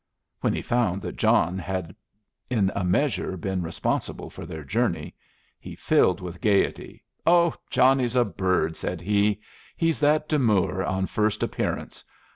"When he found that John had in a measure been responsible for their journey, he filled with gayety. "Oh, Johnnie's a bird!" said he. "He's that demure on first appearance.